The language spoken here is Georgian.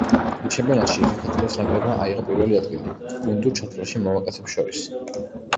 ჩემპიონატში საქართველოს ნაკრებმა აიღო პირველი ადგილი გუნდურ ჩათვლაში მამაკაცებს შორის.